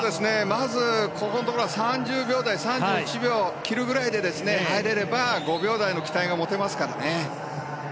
まずこのところは３０秒台３１秒を切るぐらいで入れれば５秒台の期待が持てますからね。